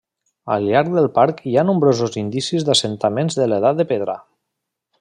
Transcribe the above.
Al llarg del parc hi ha nombrosos indicis d'assentaments de l'Edat de Pedra.